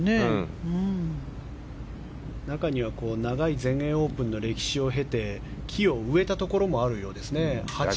中には長い全英オープンの歴史を経て木を植えたところもあるようですね。